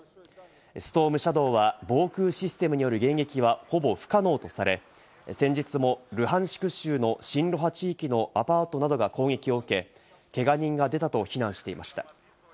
「ストームシャドー」は防空システムによる迎撃は、ほぼ不可能とされ、先日もルハンシク州の親露派地域のアパートなどが攻撃を受け、けが人が出たと非難していました。